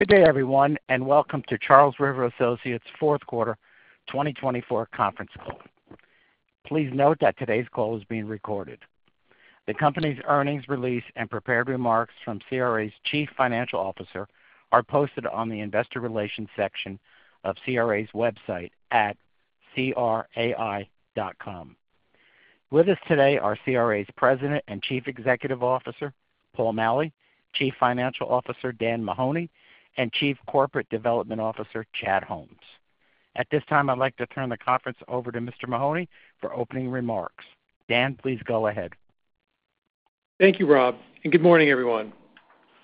Good day, everyone, and welcome to Charles River Associates' fourth quarter, 2024, conference call. Please note that today's call is being recorded. The company's earnings release and prepared remarks from CRA's Chief Financial Officer are posted on the Investor Relations section of CRA's website at crai.com. With us today are CRA's President and Chief Executive Officer, Paul Maleh, Chief Financial Officer, Dan Mahoney, and Chief Corporate Development Officer, Chad Holmes. At this time, I'd like to turn the conference over to Mr. Mahoney for opening remarks. Dan, please go ahead. Thank you, Rob, and good morning, everyone.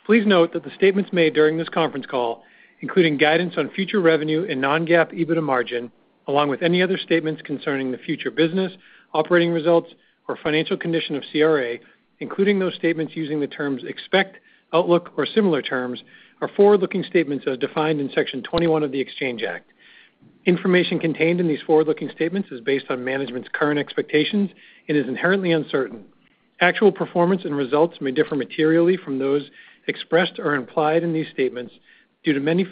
Please note that the statements made during this conference call, including guidance on future revenue and non-GAAP EBITDA margin, along with any other statements concerning the future business, operating results, or financial condition of CRA, including those statements using the terms expect, outlook, or similar terms, are forward-looking statements as defined in Section 21 of the Exchange Act. Information contained in these forward-looking statements is based on management's current expectations and is inherently uncertain. Actual performance and results may differ materially from those expressed or implied in these statements due to many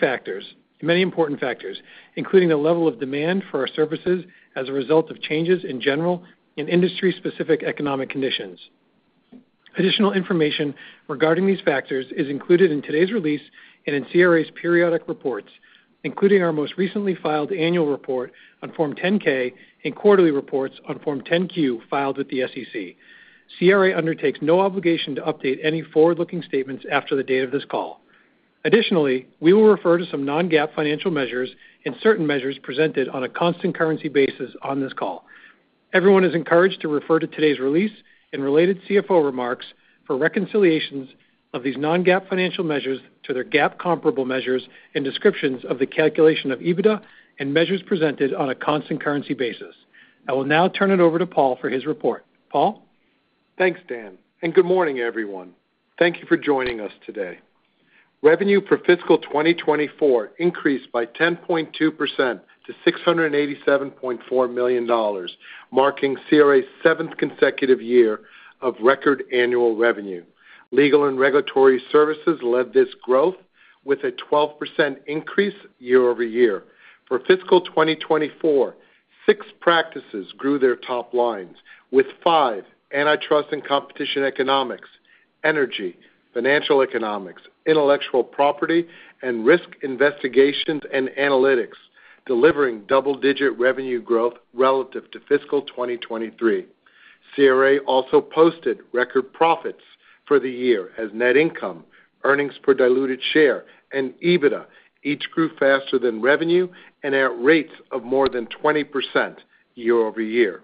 important factors, including the level of demand for our services as a result of changes in general and industry-specific economic conditions. Additional information regarding these factors is included in today's release and in CRA's periodic reports, including our most recently filed annual report on Form 10-K and quarterly reports on Form 10-Q filed with the SEC. CRA undertakes no obligation to update any forward-looking statements after the date of this call. Additionally, we will refer to some non-GAAP financial measures and certain measures presented on a constant currency basis on this call. Everyone is encouraged to refer to today's release and related CFO remarks for reconciliations of these non-GAAP financial measures to their GAAP comparable measures and descriptions of the calculation of EBITDA and measures presented on a constant currency basis. I will now turn it over to Paul for his report. Paul? Thanks, Dan, and good morning, everyone. Thank you for joining us today. Revenue for fiscal 2024 increased by 10.2% to $687.4 million, marking CRA's seventh consecutive year of record annual revenue. Legal and regulatory services led this growth, with a 12% year-over-year. For fiscal 2024, six practices grew their top lines, with five antitrust and competition economics, energy, financial economics, intellectual property, and risk investigations and analytics, delivering double-digit revenue growth relative to fiscal 2023. CRA also posted record profits for the year as net income, earnings per diluted share, and EBITDA each grew faster than revenue and at rates of more than year-over-year.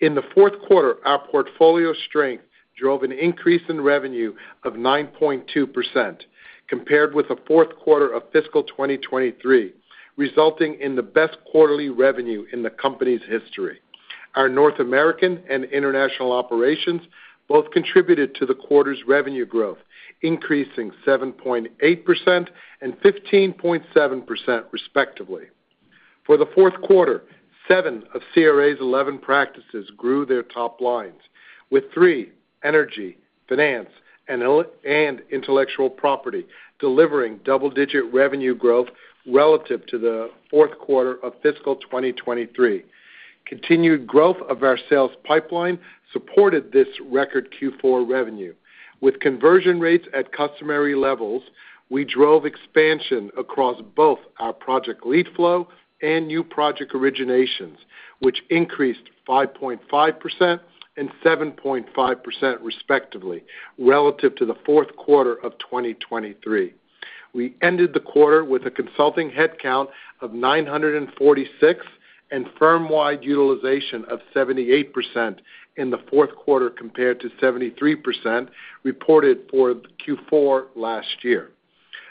In the fourth quarter, our portfolio strength drove an increase in revenue of 9.2% compared with the fourth quarter of fiscal 2023, resulting in the best quarterly revenue in the company's history. Our North American and international operations both contributed to the quarter's revenue growth, increasing 7.8% and 15.7%, respectively. For the fourth quarter, seven of CRA's 11 practices grew their top lines, with three, energy, finance, and intellectual property, delivering double-digit revenue growth relative to the fourth quarter of fiscal 2023. Continued growth of our sales pipeline supported this record Q4 revenue. With conversion rates at customary levels, we drove expansion across both our project lead flow and new project originations, which increased 5.5% and 7.5%, respectively, relative to the fourth quarter of 2023. We ended the quarter with a consulting headcount of 946 and firm-wide utilization of 78% in the fourth quarter compared to 73% reported for Q4 last year.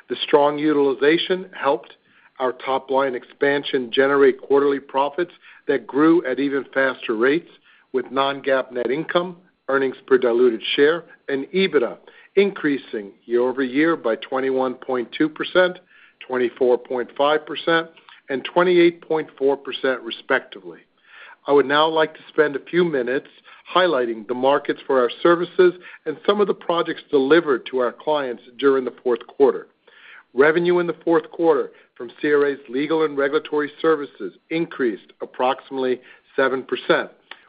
The strong utilization helped our top line expansion generate quarterly profits that grew at even faster rates, with non-GAAP net income, earnings per diluted share, and EBITDA year-over-year by 21.2%, 24.5%, and 28.4%, respectively. I would now like to spend a few minutes highlighting the markets for our services and some of the projects delivered to our clients during the fourth quarter. Revenue in the fourth quarter from CRA's legal and regulatory services increased approximately 7%,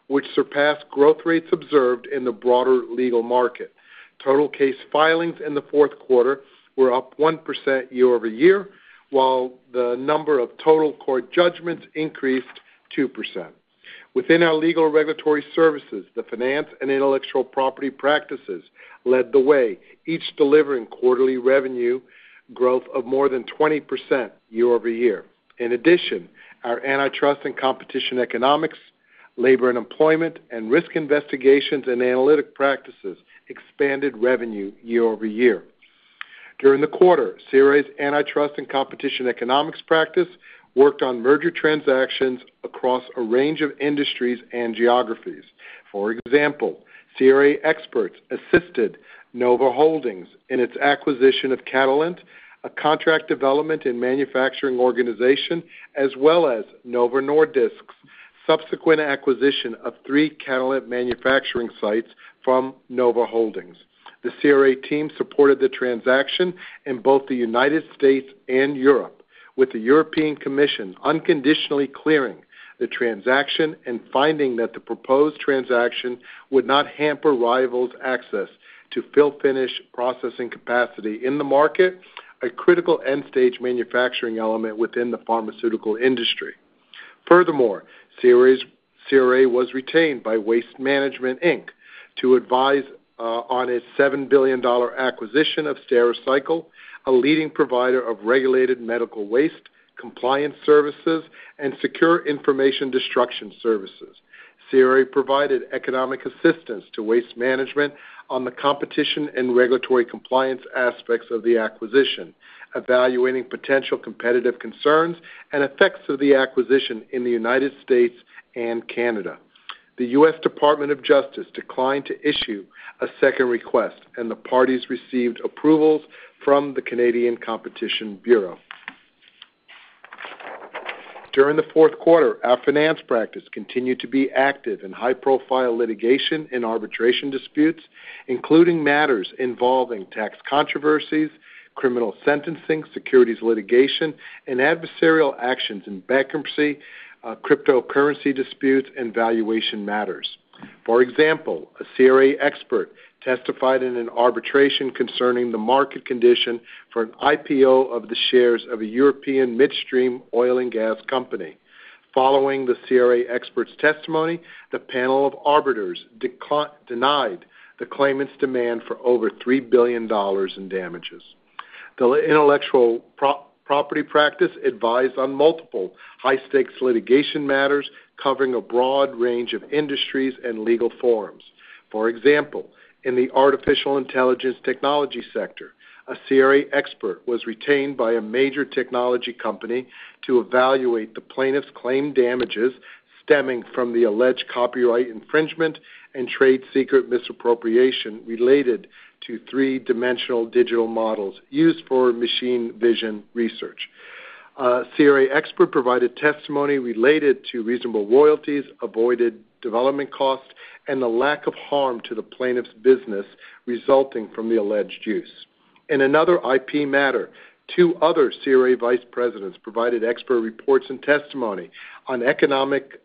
which surpassed growth rates observed in the broader legal market. Total case filings in the fourth quarter were up year-over-year, while the number of total court judgments increased 2%. Within our legal and regulatory services, the finance and intellectual property practices led the way, each delivering quarterly revenue growth of more than 20% year-over-year. In addition, our antitrust and competition economics, labor and employment, and risk investigations and analytics practices expanded year-over-year. During the quarter, CRA's antitrust and competition economics practice worked on merger transactions across a range of industries and geographies. For example, CRA experts assisted Novo Holdings in its acquisition of Catalent, a contract development and manufacturing organization, as well as Novo Nordisk's subsequent acquisition of three Catalent manufacturing sites from Novo Holdings. The CRA team supported the transaction in both the United States and Europe, with the European Commission unconditionally clearing the transaction and finding that the proposed transaction would not hamper rivals' access to fill-finish processing capacity in the market, a critical end-stage manufacturing element within the pharmaceutical industry. Furthermore, CRA was retained by Waste Management Inc. to advise on its $7 billion acquisition of Stericycle, a leading provider of regulated medical waste compliance services and secure information destruction services. CRA provided economic assistance to Waste Management on the competition and regulatory compliance aspects of the acquisition, evaluating potential competitive concerns and effects of the acquisition in the United States and Canada. The U.S. Department of Justice declined to issue a second request, and the parties received approvals from the Canadian Competition Bureau. During the fourth quarter, our finance practice continued to be active in high-profile litigation and arbitration disputes, including matters involving tax controversies, criminal sentencing, securities litigation, and adversarial actions in bankruptcy, cryptocurrency disputes, and valuation matters. For example, a CRA expert testified in an arbitration concerning the market condition for an IPO of the shares of a European midstream oil and gas company. Following the CRA expert's testimony, the panel of arbiters denied the claimant's demand for over $3 billion in damages. The intellectual property practice advised on multiple high-stakes litigation matters covering a broad range of industries and legal forums. For example, in the artificial intelligence technology sector, a CRA expert was retained by a major technology company to evaluate the plaintiff's claimed damages stemming from the alleged copyright infringement and trade secret misappropriation related to three-dimensional digital models used for machine vision research. A CRA expert provided testimony related to reasonable royalties, avoided development costs, and the lack of harm to the plaintiff's business resulting from the alleged use. In another IP matter, two other CRA vice presidents provided expert reports and testimony on economic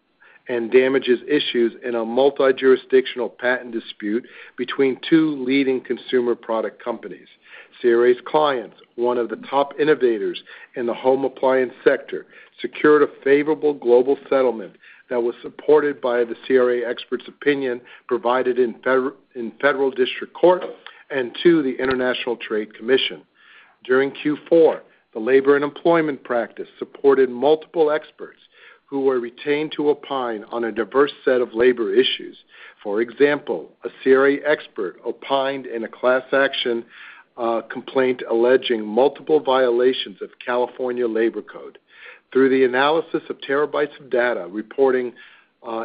and damages issues in a multi-jurisdictional patent dispute between two leading consumer product companies. CRA's clients, one of the top innovators in the home appliance sector, secured a favorable global settlement that was supported by the CRA expert's opinion provided in federal district court and to the International Trade Commission. During Q4, the labor and employment practice supported multiple experts who were retained to opine on a diverse set of labor issues. For example, a CRA expert opined in a class action complaint alleging multiple violations of California Labor Code. Through the analysis of terabytes of data reporting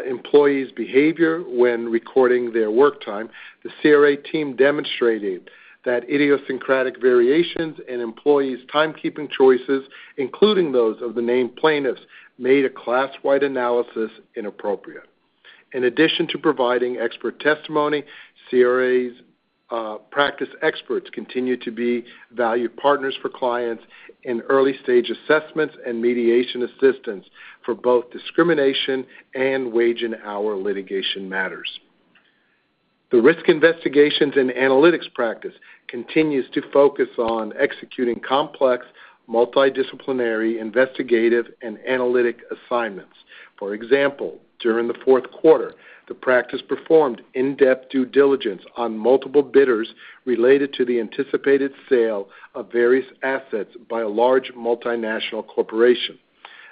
employees' behavior when recording their work time, the CRA team demonstrated that idiosyncratic variations in employees' timekeeping choices, including those of the named plaintiffs, made a class-wide analysis inappropriate. In addition to providing expert testimony, CRA's practice experts continue to be valued partners for clients in early-stage assessments and mediation assistance for both discrimination and wage-and-hour litigation matters. The risk investigations and analytics practice continues to focus on executing complex multidisciplinary investigative and analytic assignments. For example, during the fourth quarter, the practice performed in-depth due diligence on multiple bidders related to the anticipated sale of various assets by a large multinational corporation.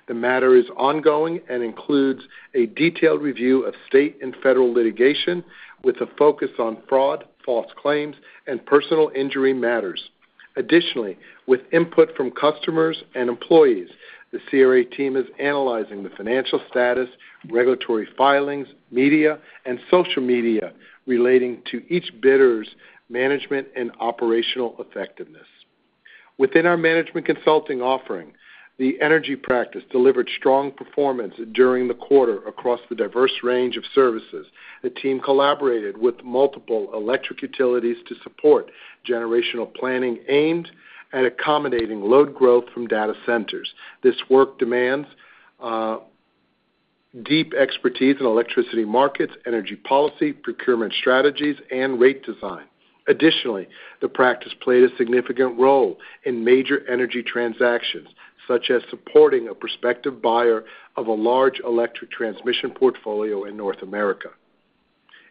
The matter is ongoing and includes a detailed review of state and federal litigation with a focus on fraud, false claims, and personal injury matters. Additionally, with input from customers and employees, the CRA team is analyzing the financial status, regulatory filings, media, and social media relating to each bidder's management and operational effectiveness. Within our management consulting offering, the energy practice delivered strong performance during the quarter across the diverse range of services. The team collaborated with multiple electric utilities to support generation planning aimed at accommodating load growth from data centers. This work demands deep expertise in electricity markets, energy policy, procurement strategies, and rate design. Additionally, the practice played a significant role in major energy transactions, such as supporting a prospective buyer of a large electric transmission portfolio in North America.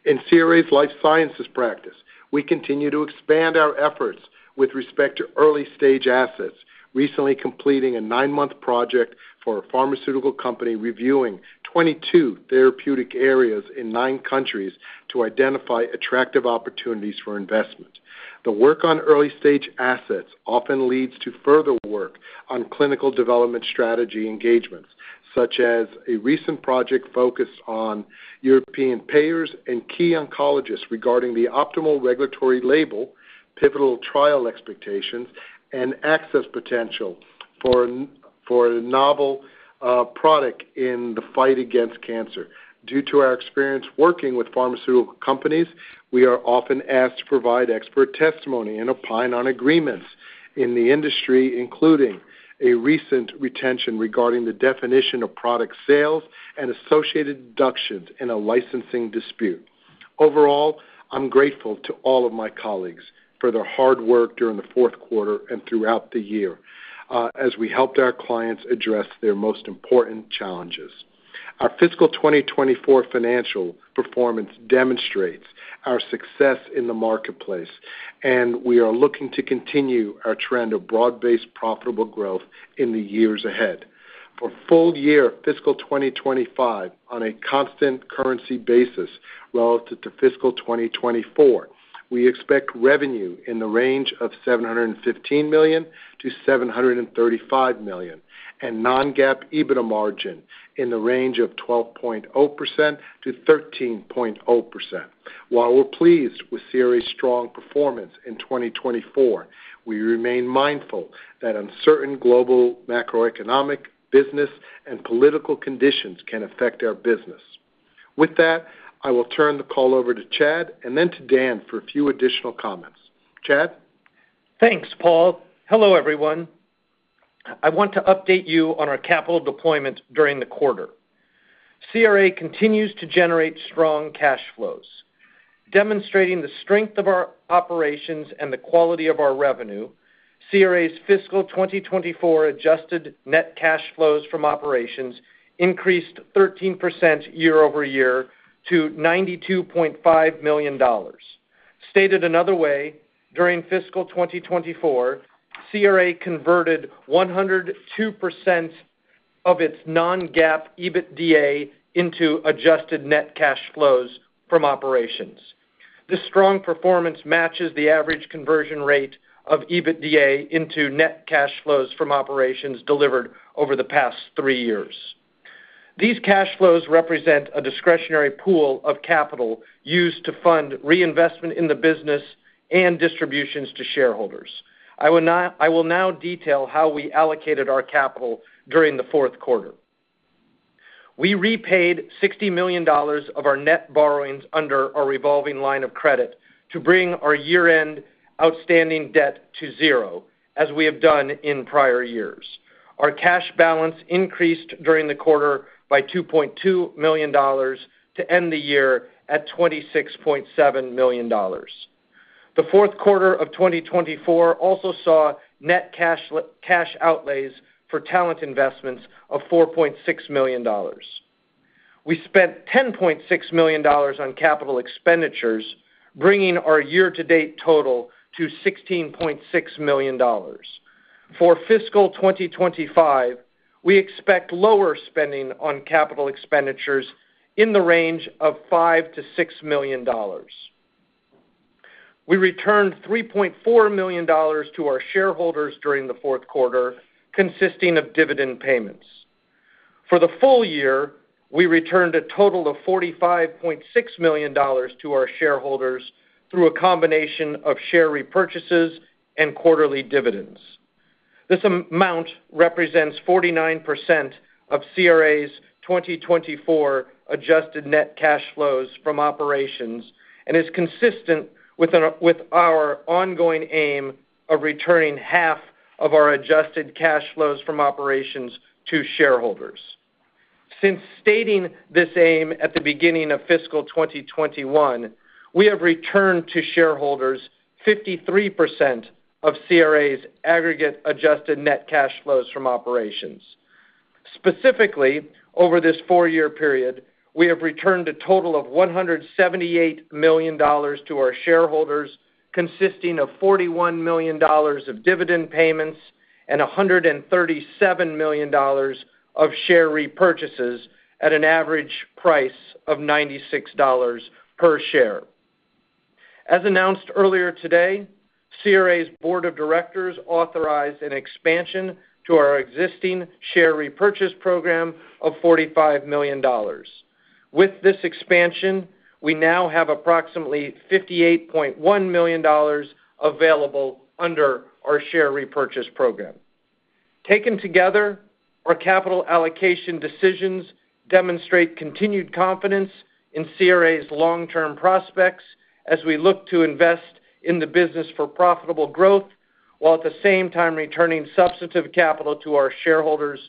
In CRA's life sciences practice, we continue to expand our efforts with respect to early-stage assets, recently completing a nine-month project for a pharmaceutical company reviewing 22 therapeutic areas in nine countries to identify attractive opportunities for investment. The work on early-stage assets often leads to further work on clinical development strategy engagements, such as a recent project focused on European payers and key oncologists regarding the optimal regulatory label, pivotal trial expectations, and access potential for a novel product in the fight against cancer. Due to our experience working with pharmaceutical companies, we are often asked to provide expert testimony and opine on agreements in the industry, including a recent retention regarding the definition of product sales and associated deductions in a licensing dispute. Overall, I'm grateful to all of my colleagues for their hard work during the fourth quarter and throughout the year as we helped our clients address their most important challenges. Our fiscal 2024 financial performance demonstrates our success in the marketplace, and we are looking to continue our trend of broad-based profitable growth in the years ahead. For full year fiscal 2025, on a constant currency basis relative to fiscal 2024, we expect revenue in the range of $715 million-$735 million and non-GAAP EBITDA margin in the range of 12.0%-13.0%. While we're pleased with CRA's strong performance in 2024, we remain mindful that uncertain global macroeconomic, business, and political conditions can affect our business. With that, I will turn the call over to Chad and then to Dan for a few additional comments. Chad? Thanks, Paul. Hello, everyone. I want to update you on our capital deployment during the quarter. CRA continues to generate strong cash flows. Demonstrating the strength of our operations and the quality of our revenue, CRA's fiscal 2024 adjusted net cash flows from operations increased year-over-year to $92.5 million. Stated another way, during fiscal 2024, CRA converted 102% of its non-GAAP EBITDA into adjusted net cash flows from operations. This strong performance matches the average conversion rate of EBITDA into net cash flows from operations delivered over the past three years. These cash flows represent a discretionary pool of capital used to fund reinvestment in the business and distributions to shareholders. I will now detail how we allocated our capital during the fourth quarter. We repaid $60 million of our net borrowings under our revolving line of credit to bring our year-end outstanding debt to zero, as we have done in prior years. Our cash balance increased during the quarter by $2.2 million to end the year at $26.7 million. The fourth quarter of 2024 also saw net cash outlays for talent investments of $4.6 million. We spent $10.6 million on capital expenditures, bringing our year-to-date total to $16.6 million. For fiscal 2025, we expect lower spending on capital expenditures in the range of $5-$6 million. We returned $3.4 million to our shareholders during the fourth quarter, consisting of dividend payments. For the full year, we returned a total of $45.6 million to our shareholders through a combination of share repurchases and quarterly dividends. This amount represents 49% of CRA's 2024 adjusted net cash flows from operations and is consistent with our ongoing aim of returning half of our adjusted cash flows from operations to shareholders. Since stating this aim at the beginning of fiscal 2021, we have returned to shareholders 53% of CRA's aggregate adjusted net cash flows from operations. Specifically, over this four-year period, we have returned a total of $178 million to our shareholders, consisting of $41 million of dividend payments and $137 million of share repurchases at an average price of $96 per share. As announced earlier today, CRA's board of directors authorized an expansion to our existing share repurchase program of $45 million. With this expansion, we now have approximately $58.1 million available under our share repurchase program. Taken together, our capital allocation decisions demonstrate continued confidence in CRA's long-term prospects as we look to invest in the business for profitable growth while at the same time returning substantive capital to our shareholders,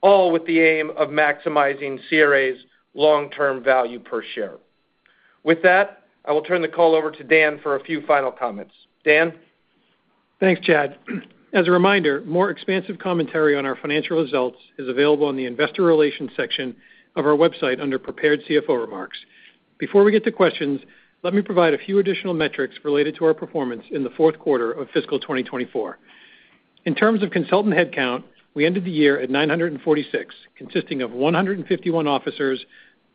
all with the aim of maximizing CRA's long-term value per share. With that, I will turn the call over to Dan for a few final comments. Dan? Thanks, Chad. As a reminder, more expansive commentary on our financial results is available in the investor relations section of our website under prepared CFO remarks. Before we get to questions, let me provide a few additional metrics related to our performance in the fourth quarter of fiscal 2024. In terms of consultant headcount, we ended the year at 946, consisting of 151 officers,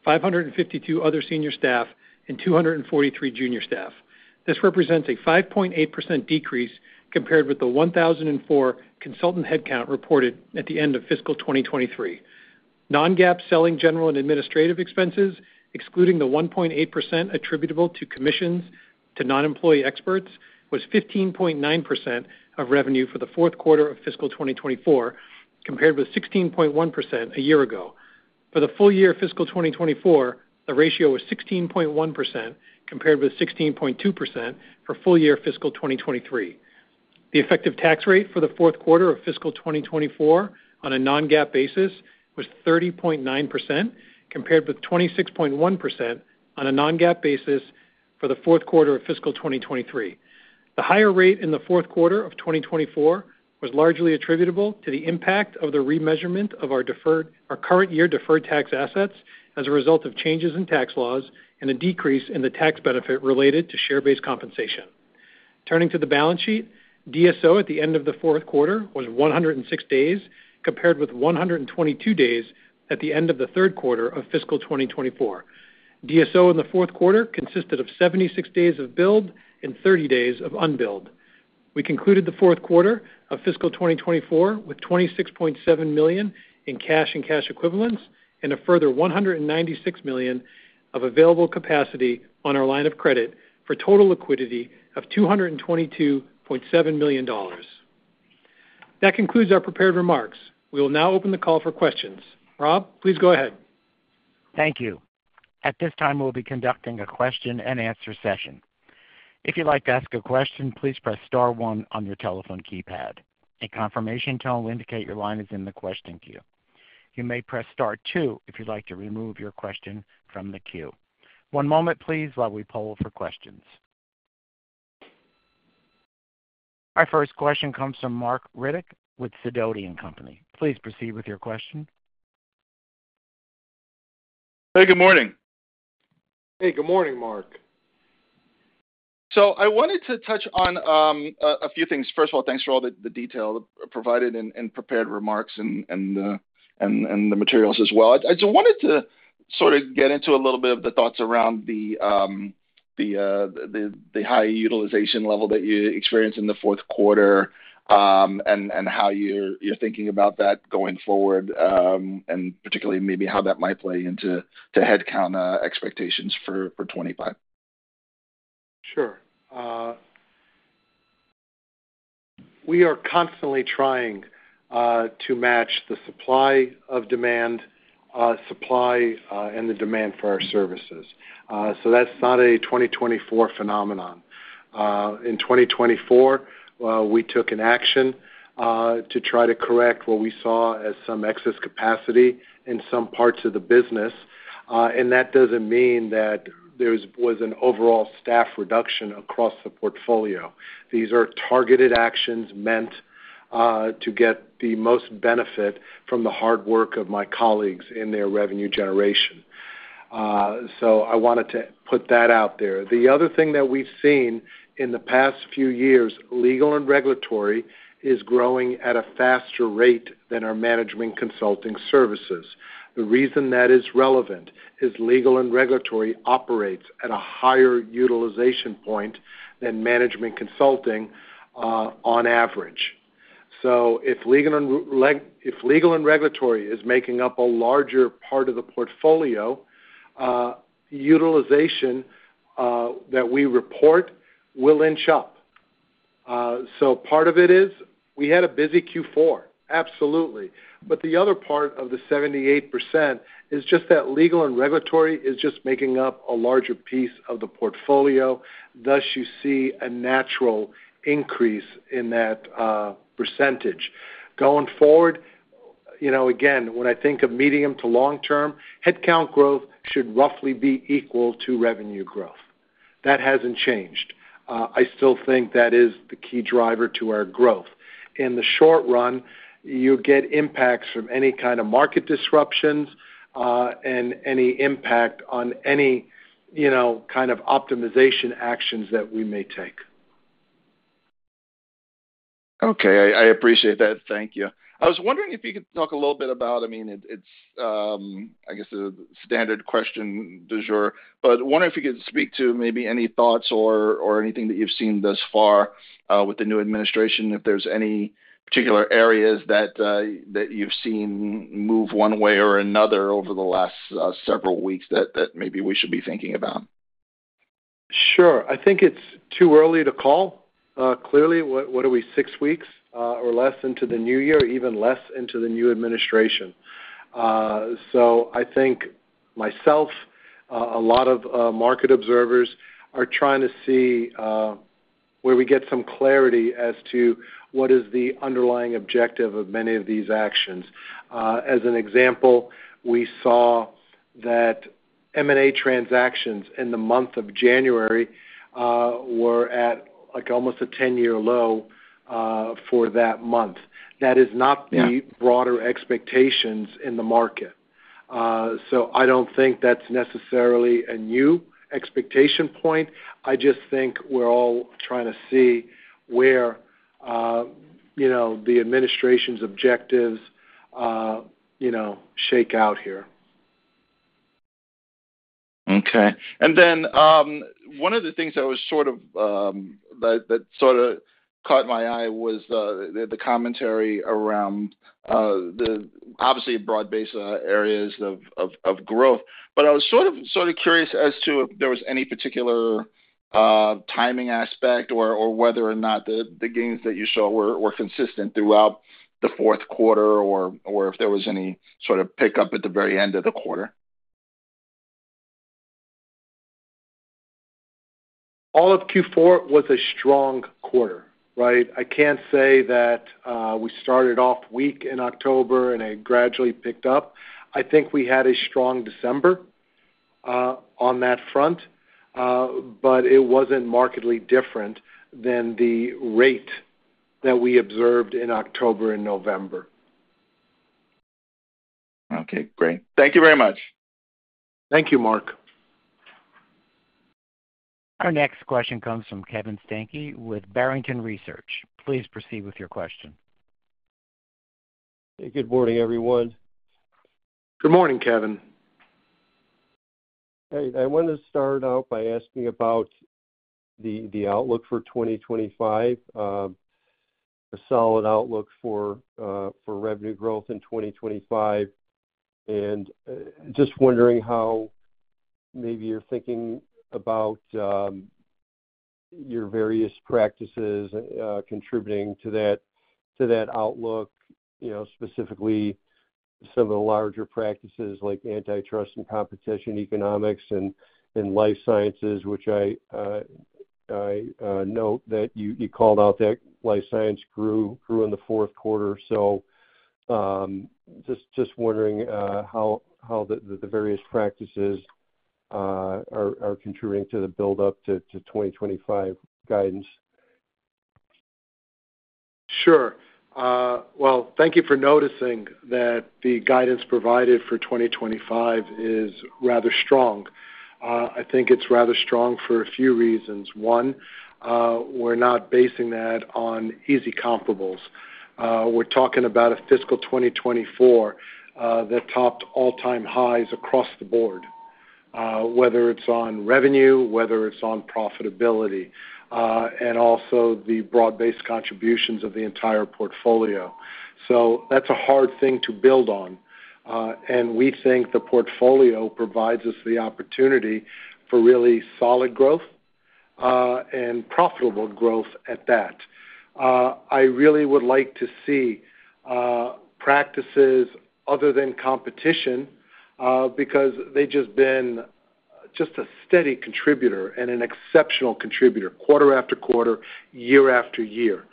552 other senior staff, and 243 junior staff. This represents a 5.8% decrease compared with the 1,004 consultant headcount reported at the end of fiscal 2023. non-GAAP selling general and administrative expenses, excluding the 1.8% attributable to commissions to non-employee experts, was 15.9% of revenue for the fourth quarter of fiscal 2024, compared with 16.1% a year ago. For the full year fiscal 2024, the ratio was 16.1% compared with 16.2% for full year fiscal 2023. The effective tax rate for the fourth quarter of fiscal 2024 on a non-GAAP basis was 30.9%, compared with 26.1% on a non-GAAP basis for the fourth quarter of fiscal 2023. The higher rate in the fourth quarter of 2024 was largely attributable to the impact of the remeasurement of our current year deferred tax assets as a result of changes in tax laws and a decrease in the tax benefit related to share-based compensation. Turning to the balance sheet, DSO at the end of the fourth quarter was 106 days, compared with 122 days at the end of the third quarter of fiscal 2024. DSO in the fourth quarter consisted of 76 days of billed and 30 days of unbilled. We concluded the fourth quarter of fiscal 2024 with $26.7 million in cash and cash equivalents and a further $196 million of available capacity on our line of credit for total liquidity of $222.7 million. That concludes our prepared remarks. We will now open the call for questions. Rob, please go ahead. Thank you. At this time, we'll be conducting a question and answer session. If you'd like to ask a question, please press star one on your telephone keypad. A confirmation tone will indicate your line is in the question queue. You may press star two if you'd like to remove your question from the queue. One moment, please, while we poll for questions. Our first question comes from Marc Riddick with Sidoti & Company. Please proceed with your question. Hey, good morning. Hey, good morning, Marc. So I wanted to touch on a few things. First of all, thanks for all the detail provided and prepared remarks and the materials as well. I just wanted to sort of get into a little bit of the thoughts around the high utilization level that you experienced in the fourth quarter and how you're thinking about that going forward, and particularly maybe how that might play into headcount expectations for 2025. Sure. We are constantly trying to match the supply and demand for our services. So that's not a 2024 phenomenon. In 2024, we took an action to try to correct what we saw as some excess capacity in some parts of the business, and that doesn't mean that there was an overall staff reduction across the portfolio. These are targeted actions meant to get the most benefit from the hard work of my colleagues in their revenue generation, so I wanted to put that out there. The other thing that we've seen in the past few years, legal and regulatory is growing at a faster rate than our management consulting services. The reason that is relevant is legal and regulatory operates at a higher utilization point than management consulting on average, so if legal and regulatory is making up a larger part of the portfolio, utilization that we report will inch up. So part of it is we had a busy Q4, absolutely. But the other part of the 78% is just that legal and regulatory is just making up a larger piece of the portfolio. Thus, you see a natural increase in that percentage. Going forward, again, when I think of medium to long-term, headcount growth should roughly be equal to revenue growth. That hasn't changed. I still think that is the key driver to our growth. In the short run, you get impacts from any kind of market disruptions and any impact on any kind of optimization actions that we may take. Okay. I appreciate that. Thank you. I was wondering if you could talk a little bit about, I mean, it's, I guess, a standard question du jour, but wondering if you could speak to maybe any thoughts or anything that you've seen thus far with the new administration, if there's any particular areas that you've seen move one way or another over the last several weeks that maybe we should be thinking about? Sure. I think it's too early to call. Clearly, what are we, six weeks or less into the new year, even less into the new administration? So I think myself, a lot of market observers are trying to see where we get some clarity as to what is the underlying objective of many of these actions. As an example, we saw that M&A transactions in the month of January were at almost a 10-year low for that month. That is not the broader expectations in the market. So I don't think that's necessarily a new expectation point. I just think we're all trying to see where the administration's objectives shake out here. Okay. And then one of the things that was sort of caught my eye was the commentary around the, obviously, broad-based areas of growth. But I was sort of curious as to if there was any particular timing aspect or whether or not the gains that you saw were consistent throughout the fourth quarter or if there was any sort of pickup at the very end of the quarter. All of Q4 was a strong quarter, right? I can't say that we started off weak in October and it gradually picked up. I think we had a strong December on that front, but it wasn't markedly different than the rate that we observed in October and November. Okay. Great. Thank you very much. Thank you, Marc. Our next question comes from Kevin Steinke with Barrington Research. Please proceed with your question. Hey, good morning, everyone. Good morning, Kevin. Hey, I wanted to start out by asking about the outlook for 2025, a solid outlook for revenue growth in 2025. And just wondering how maybe you're thinking about your various practices contributing to that outlook, specifically some of the larger practices like antitrust and competition economics and life sciences, which I note that you called out that life science grew in the fourth quarter. So just wondering how the various practices are contributing to the build-up to 2025 guidance. Sure. Thank you for noticing that the guidance provided for 2025 is rather strong. I think it's rather strong for a few reasons. One, we're not basing that on easy comparables. We're talking about a fiscal 2024 that topped all-time highs across the board, whether it's on revenue, whether it's on profitability, and also the broad-based contributions of the entire portfolio. So that's a hard thing to build on. And we think the portfolio provides us the opportunity for really solid growth and profitable growth at that. I really would like to see practices other than competition because they've just been a steady contributor and an exceptional contributor, quarter after quarter, year after year.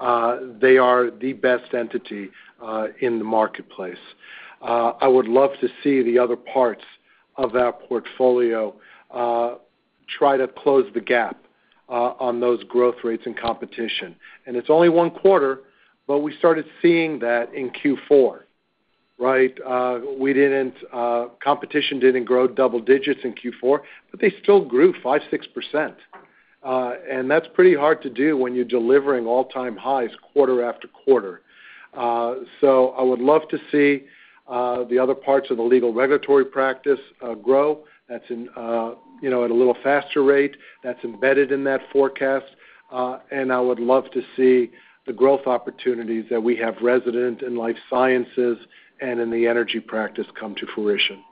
They are the best entity in the marketplace. I would love to see the other parts of that portfolio try to close the gap on those growth rates and competition. And it's only one quarter, but we started seeing that in Q4, right? Competition didn't grow double digits in Q4, but they still grew 5%-6%. And that's pretty hard to do when you're delivering all-time highs quarter after quarter. So I would love to see the other parts of the legal regulatory practice grow. That's at a little faster rate. That's embedded in that forecast. And I would love to see the growth opportunities that we have resident in life sciences and in the energy practice come to fruition.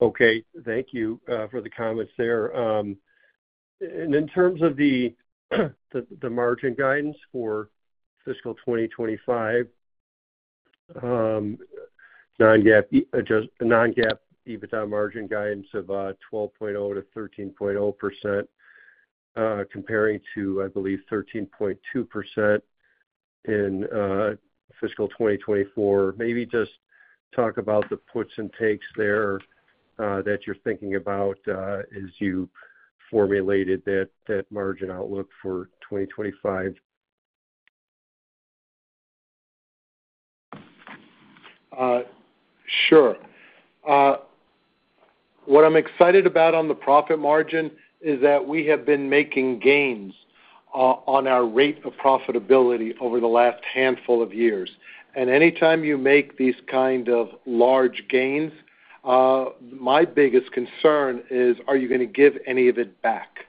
Okay. Thank you for the comments there. And in terms of the margin guidance for fiscal 2025, non-GAAP EBITDA margin guidance of 12.0%-13.0%, comparing to, I believe, 13.2% in fiscal 2024. Maybe just talk about the puts and takes there that you're thinking about as you formulated that margin outlook for 2025. Sure. What I'm excited about on the profit margin is that we have been making gains on our rate of profitability over the last handful of years, and anytime you make these kind of large gains, my biggest concern is, are you going to give any of it back?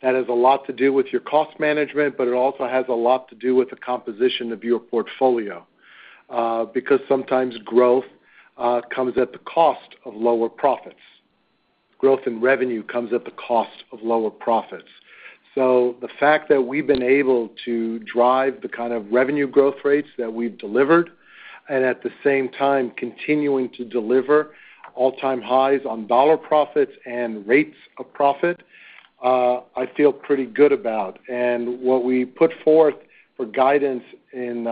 That has a lot to do with your cost management, but it also has a lot to do with the composition of your portfolio because sometimes growth comes at the cost of lower profits. Growth and revenue comes at the cost of lower profits, so the fact that we've been able to drive the kind of revenue growth rates that we've delivered and at the same time continuing to deliver all-time highs on dollar profits and rates of profit, I feel pretty good about. What we put forth for guidance in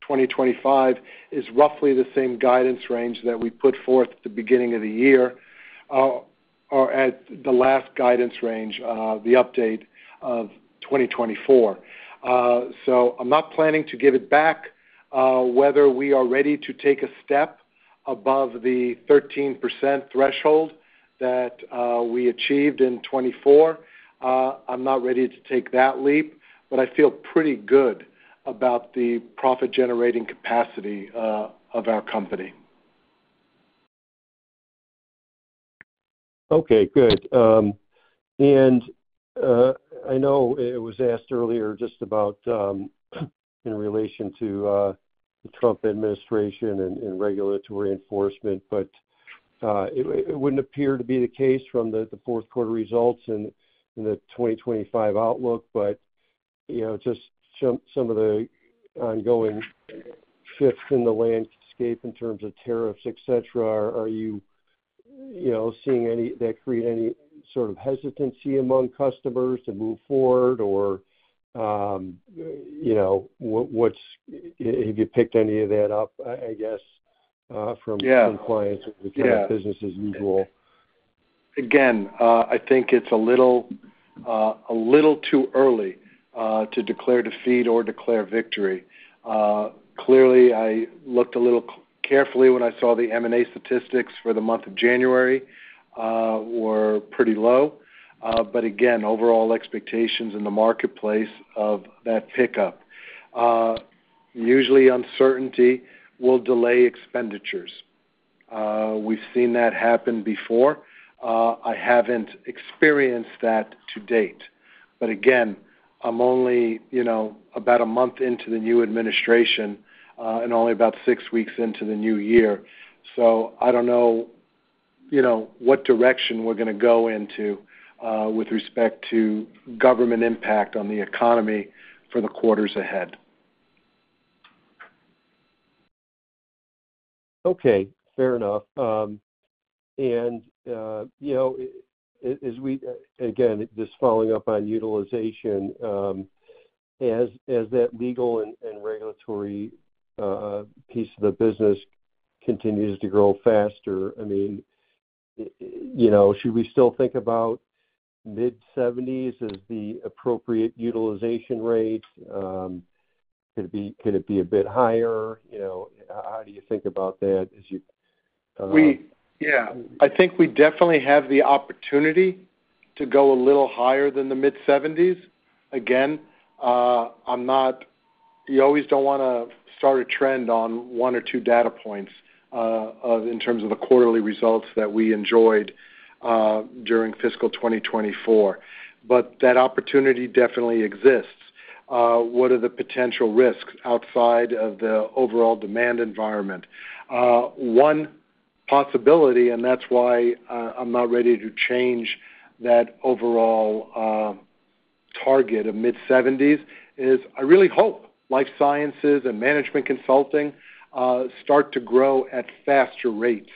2025 is roughly the same guidance range that we put forth at the beginning of the year or at the last guidance range, the update of 2024. I'm not planning to give it back. Whether we are ready to take a step above the 13% threshold that we achieved in 2024, I'm not ready to take that leap, but I feel pretty good about the profit-generating capacity of our company. Okay. Good. I know it was asked earlier just about in relation to the Trump administration and regulatory enforcement, but it wouldn't appear to be the case from the fourth quarter results and the 2025 outlook. Just some of the ongoing shifts in the landscape in terms of tariffs, etc., are you seeing any that create any sort of hesitancy among customers to move forward? Or have you picked any of that up, I guess, from clients or business as usual? Again, I think it's a little too early to declare defeat or declare victory. Clearly, I looked a little carefully when I saw the M&A statistics for the month of January were pretty low. But again, overall expectations in the marketplace of that pickup. Usually, uncertainty will delay expenditures. We've seen that happen before. I haven't experienced that to date. But again, I'm only about a month into the new administration and only about six weeks into the new year. So I don't know what direction we're going to go into with respect to government impact on the economy for the quarters ahead. Okay. Fair enough. Again, just following up on utilization, as that legal and regulatory piece of the business continues to grow faster, I mean, should we still think about mid-70s as the appropriate utilization rate? Could it be a bit higher? How do you think about that as you? Yeah. I think we definitely have the opportunity to go a little higher than the mid-70s. Again, you always don't want to start a trend on one or two data points in terms of the quarterly results that we enjoyed during fiscal 2024. But that opportunity definitely exists. What are the potential risks outside of the overall demand environment? One possibility, and that's why I'm not ready to change that overall target of mid-70s, is I really hope life sciences and management consulting start to grow at faster rates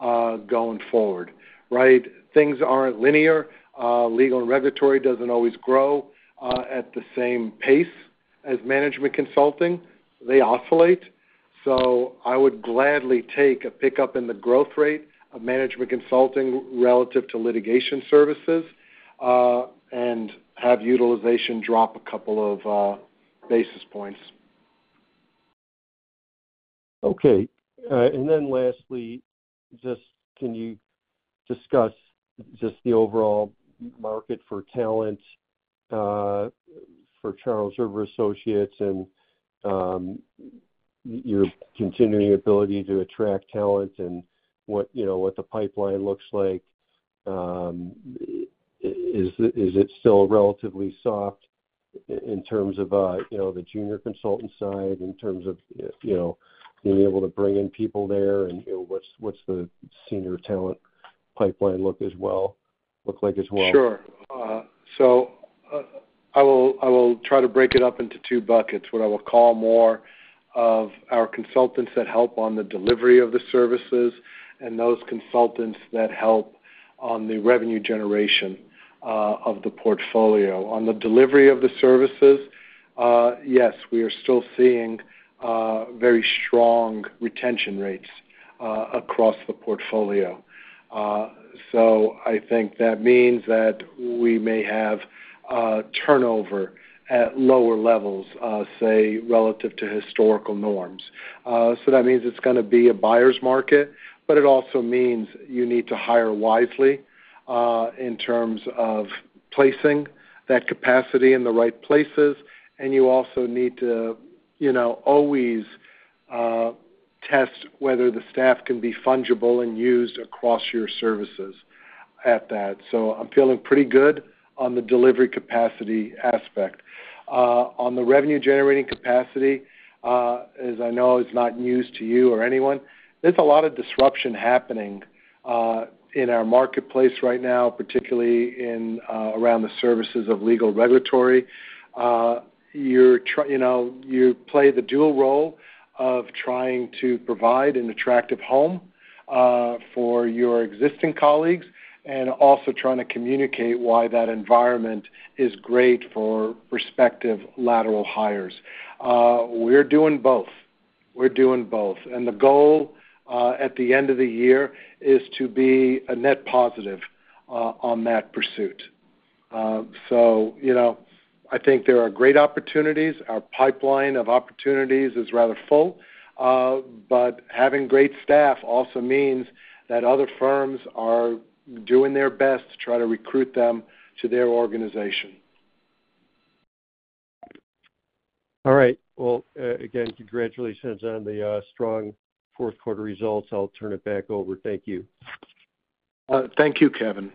going forward, right? Things aren't linear. Legal and regulatory doesn't always grow at the same pace as management consulting. They oscillate. So I would gladly take a pickup in the growth rate of management consulting relative to litigation services and have utilization drop a couple of basis points. Okay. And then lastly, just can you discuss just the overall market for talent for Charles River Associates and your continuing ability to attract talent and what the pipeline looks like? Is it still relatively soft in terms of the junior consultant side, in terms of being able to bring in people there? And what's the senior talent pipeline look like as well? Sure. So I will try to break it up into two buckets, what I will call more of our consultants that help on the delivery of the services and those consultants that help on the revenue generation of the portfolio. On the delivery of the services, yes, we are still seeing very strong retention rates across the portfolio. So I think that means that we may have turnover at lower levels, say, relative to historical norms. So that means it's going to be a buyer's market, but it also means you need to hire wisely in terms of placing that capacity in the right places. And you also need to always test whether the staff can be fungible and used across your services at that. So I'm feeling pretty good on the delivery capacity aspect. On the revenue-generating capacity, as I know is not news to you or anyone, there's a lot of disruption happening in our marketplace right now, particularly around the services of legal regulatory. You play the dual role of trying to provide an attractive home for your existing colleagues and also trying to communicate why that environment is great for prospective lateral hires. We're doing both. We're doing both. And the goal at the end of the year is to be a net positive on that pursuit. So I think there are great opportunities. Our pipeline of opportunities is rather full. But having great staff also means that other firms are doing their best to try to recruit them to their organization. All right. Well, again, congratulations on the strong fourth quarter results. I'll turn it back over. Thank you. Thank you, Kevin.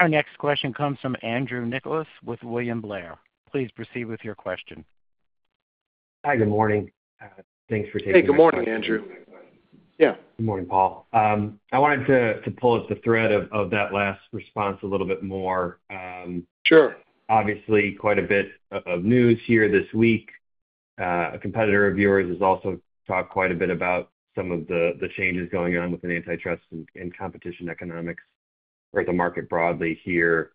Our next question comes from Andrew Nicholas with William Blair. Please proceed with your question. Hi, good morning. Thanks for taking the time. Hey, good morning, Andrew. Yeah. Good morning, Paul. I wanted to pull up the thread of that last response a little bit more. Sure. Obviously, quite a bit of news here this week. A competitor of yours has also talked quite a bit about some of the changes going on within antitrust and competition economics or the market broadly here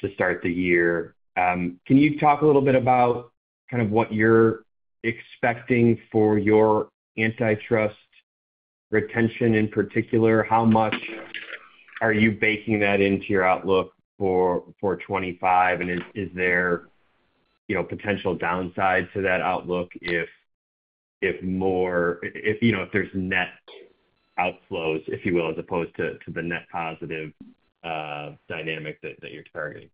to start the year. Can you talk a little bit about kind of what you're expecting for your antitrust retention in particular? How much are you baking that into your outlook for '25? And is there potential downside to that outlook if more, if there's net outflows, if you will, as opposed to the net positive dynamic that you're targeting?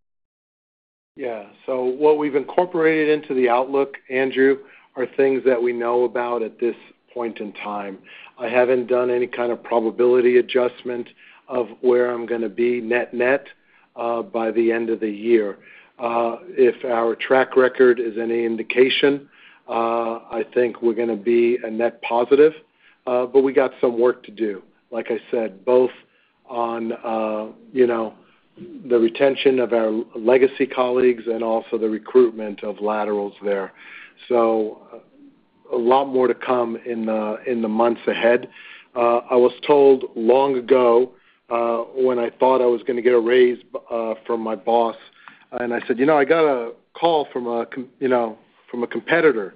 Yeah. So what we've incorporated into the outlook, Andrew, are things that we know about at this point in time. I haven't done any kind of probability adjustment of where I'm going to be net-net by the end of the year. If our track record is any indication, I think we're going to be a net positive. But we got some work to do, like I said, both on the retention of our legacy colleagues and also the recruitment of laterals there. So a lot more to come in the months ahead. I was told long ago when I thought I was going to get a raise from my boss, and I said, "I got a call from a competitor,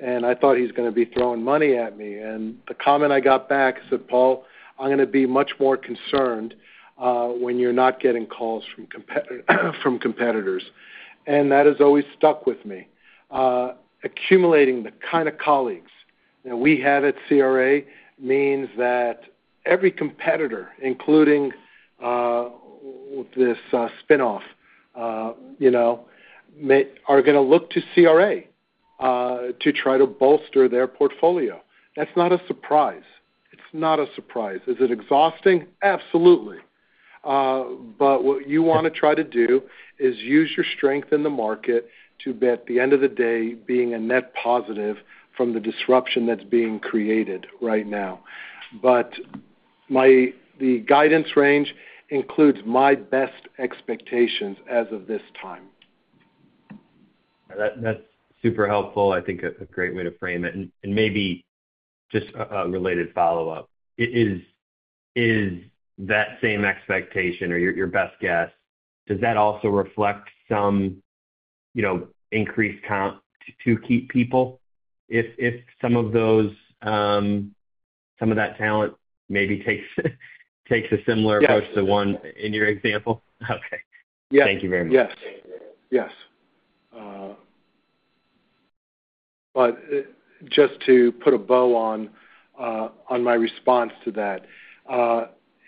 and I thought he's going to be throwing money at me." And the comment I got back, I said, "Paul, I'm going to be much more concerned when you're not getting calls from competitors." And that has always stuck with me. Accumulating the kind of colleagues that we have at CRA means that every competitor, including this spinoff, are going to look to CRA to try to bolster their portfolio. That's not a surprise. It's not a surprise. Is it exhausting? Absolutely, but what you want to try to do is use your strength in the market to, at the end of the day, be a net positive from the disruption that's being created right now. But the guidance range includes my best expectations as of this time. That's super helpful. I think a great way to frame it, and maybe just a related follow-up. Is that same expectation or your best guess, does that also reflect some increased cost to keep people if some of that talent maybe takes a similar approach to the one in your example? Okay. Thank you very much. Yes. Yes. But just to put a bow on my response to that,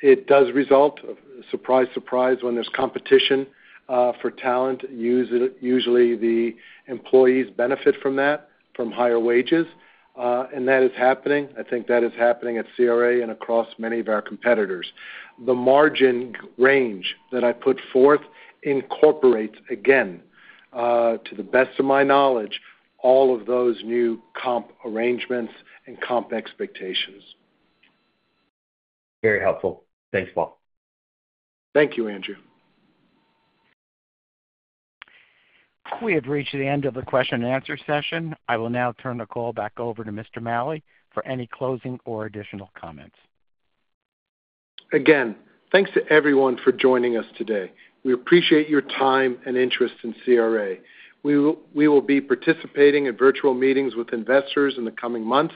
it does result. Surprise, surprise, when there's competition for talent. Usually, the employees benefit from that, from higher wages, and that is happening. I think that is happening at CRA and across many of our competitors. The margin range that I put forth incorporates, again, to the best of my knowledge, all of those new comp arrangements and comp expectations. Very helpful. Thanks, Paul. Thank you, Andrew. We have reached the end of the question-and-answer session. I will now turn the call back over to Mr. Maleh for any closing or additional comments. Again, thanks to everyone for joining us today. We appreciate your time and interest in CRA. We will be participating in virtual meetings with investors in the coming months,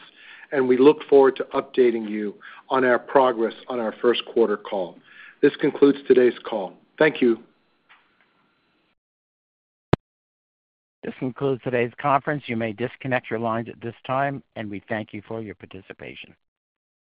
and we look forward to updating you on our progress on our first quarter call. This concludes today's call. Thank you. This concludes today's conference. You may disconnect your lines at this time, and we thank you for your participation.